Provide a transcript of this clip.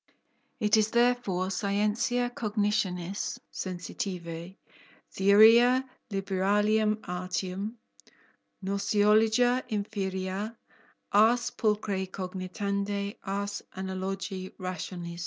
It is therefore _scientia cognitionis sensitivae, theoria liberalium artium, gnoseologia inferior, ars pulcre cogitandi, ars analogi rationis_.